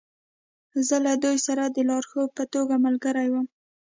زه له دوی سره د لارښود په توګه ملګری وم